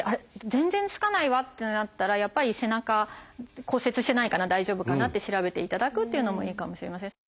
全然つかないわってなったらやっぱり背中骨折してないかな大丈夫かなって調べていただくっていうのもいいかもしれません。